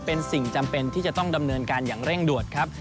เป็นสิ่งจำเป็นที่จะต้องดำเนินการอย่างเร่งด่วนครับ